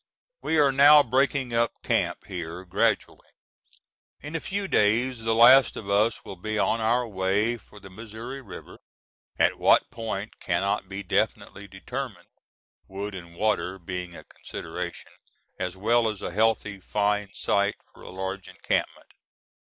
We are now breaking up camp here gradually. In a few days the last of us will be on our way for the Missouri River, at what point cannot be definitely determined, wood and water being a consideration, as well as a healthy, fine site for a large encampment.